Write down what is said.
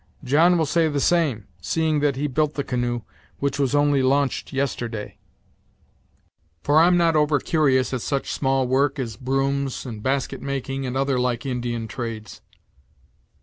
John will say the same, seeing that he built the canoe, which was only launched yesterday; for I'm not over curious at such small work as brooms, and basket making, and other like Indian trades."